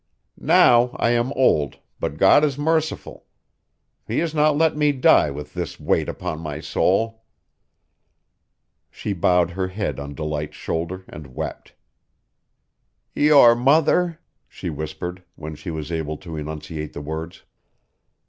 Now I am old but God is merciful. He has not let me die with this weight upon my soul." She bowed her head on Delight's shoulder and wept. "Your mother?" she whispered, when she was able to enunciate the words.